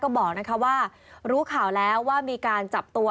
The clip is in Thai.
พลเนกประยุจันโอชาก็บอกว่ารู้ข่าวแล้วว่ามีการจับตัว